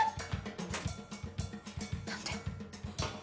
何で？